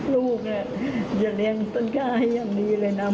ลูกเนี่ยอย่าเลี้ยงต้นกล้าให้อย่างดีเลยนะ